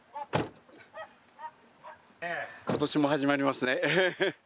ことしも始まりますね。